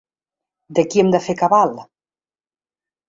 De qui hem de fer cabal?